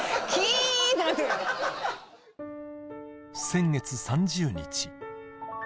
先月３０日。